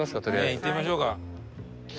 行ってみましょうか。